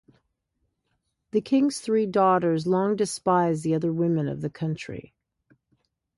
The king's three daughters long despised the other women of the country.